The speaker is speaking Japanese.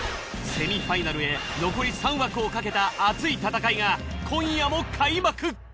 セミファイナルへ残り３枠をかけた熱い戦いが今夜も開幕！